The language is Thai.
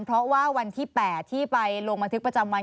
เพราะว่าวันที่๘ที่ไปลงบันทึกประจำวัน